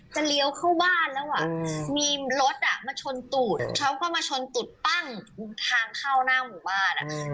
เลี้ยวเข้าบ้านแล้วอ่ะมีรถอ่ะมาชนตูดเขาก็มาชนตูดปั้งทางเข้าหน้าหมู่บ้าน